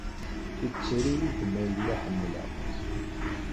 Tetter-iyi-d ma yella ḥemmleɣ-tt.